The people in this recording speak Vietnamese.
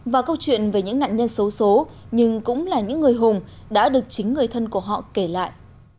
và câu chuyện về những nạn nhân xấu xố nhưng cũng là những người hùng đã được chính người thân của họ kể lại